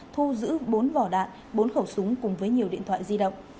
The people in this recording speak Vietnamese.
thu giữ bốn vỏ đạn bốn khẩu súng cùng với nhiều điện thoại di động